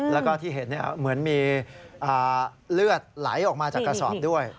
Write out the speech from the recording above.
แล้วก็ที่เห็นเหมือนมีเลือดไหลออกมาจากกระสอบด้วย